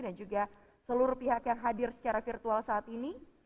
dan juga seluruh pihak yang hadir secara virtual saat ini